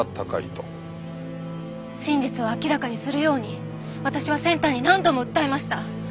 真実を明らかにするように私はセンターに何度も訴えました。